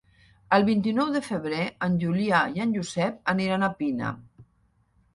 El vint-i-nou de febrer en Julià i en Josep aniran a Pina.